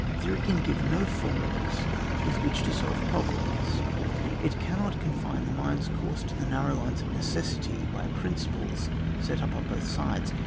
Theory can give no formulas with which to solve problems; it cannot confine the mind's course to the narrow line of necessity by Principles set up on both sides.